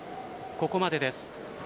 ここまでです。